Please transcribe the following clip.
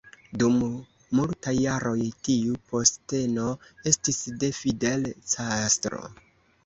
Dum multaj jaroj tiu posteno estis de Fidel Castro.